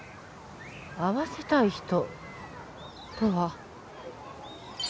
会わせたい人とは？